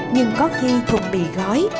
nhưng có khi thùng mì gói